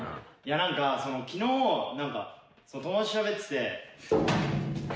何か昨日友達としゃべってて。